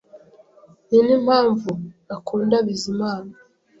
Ninimpamvu ntakunda Bizimana